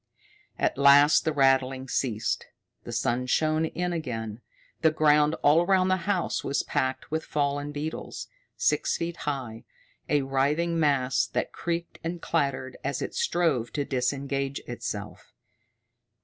At last the rattling ceased. The sun shone in again. The ground all around the house was packed with fallen beetles, six feet high, a writhing mass that creaked and clattered as it strove to disengage itself.